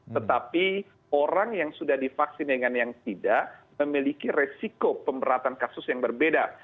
tetapi orang yang sudah divaksin dengan yang tidak memiliki resiko pemberatan kasus yang berbeda